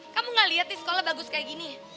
kamu gak lihat nih sekolah bagus kayak gini